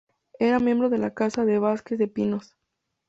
Era miembro de la Casa de Vasquez de Pinos.